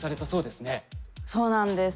そうなんです。